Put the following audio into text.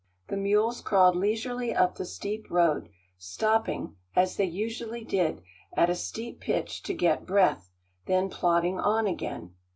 The mules crawled leisurely up the steep road, stopping, as they usually did, at a steep pitch to get breath, then plodding on again.